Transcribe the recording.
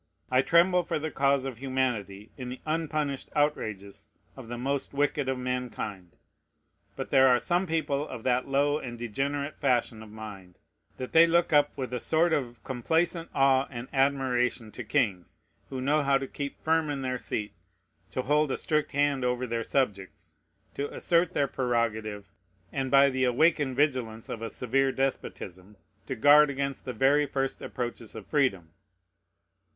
I tremble for the cause of humanity, in the unpunished outrages of the most wicked of mankind. But there are some people of that low and degenerate fashion of mind that they look up with a sort of complacent awe and admiration to kings who know to keep firm in their seat, to hold a strict hand over their subjects, to assert their prerogative, and, by the awakened vigilance of a severe despotism, to guard against the very first approaches of freedom.